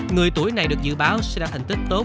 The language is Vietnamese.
người tuổi này được dự báo sẽ là thành tích tốt